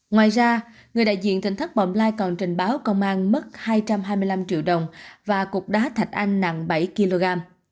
ngoài ra người đại diện thành thất bồng lai còn trình báo công an mất hai trăm hai mươi năm triệu đồng và cục đá thạch anh nặng bảy kg